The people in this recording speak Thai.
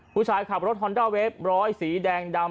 ผู้ชายขับรถฮอนด้าเวฟร้อยสีแดงดำ